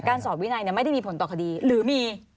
สอบวินัยไม่ได้มีผลต่อคดีหรือมี